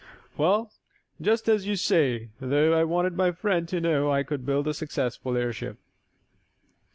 "Well, just as you say, though I wanted my friend to know I could build a successful airship."